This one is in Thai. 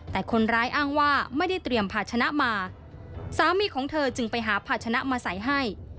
แต่คนร้ายอ้างว่าไม่ได้เตรียมภาชนะมาสามีของเธอจึงไปหาภาชนะมาใส่ให้